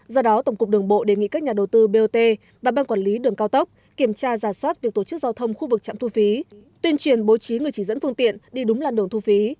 do đó tổng cục đường bộ đề nghị các nhà đầu tư bot và ban quản lý đường cao tốc kiểm tra giả soát việc tổ chức giao thông khu vực trạm thu phí tuyên truyền bố trí người chỉ dẫn phương tiện đi đúng làn đường thu phí